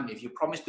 lakukan pada waktu